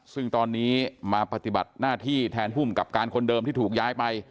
ซึ่งตอนนี้มาปฏิบัติหน้าที่แทนภูมิกับการคนเดิมที่ถูกย้ายไป